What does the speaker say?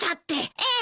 ええ。